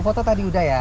foto tadi udah ya